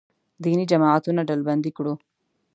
دیني جماعتونه ډلبندي کړو.